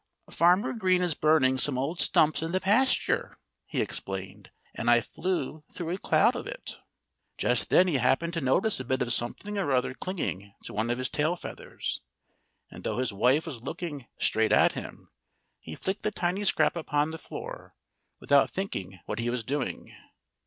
"Farmer Green is burning some old stumps in the pasture," he explained. "And I flew through a cloud of it." Just then he happened to notice a bit of something or other clinging to one of his tail feathers. And though his wife was looking straight at him, he flicked the tiny scrap upon the floor, without thinking what he was doing.